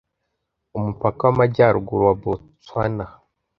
umupaka w'amajyaruguru wa botswana